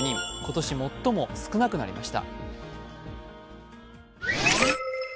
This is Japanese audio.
今年最も少なくなりました。